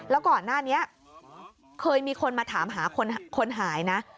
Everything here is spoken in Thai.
แล้วก่อนหน้านี้เคยมีคนมาถามหาคนหายนะ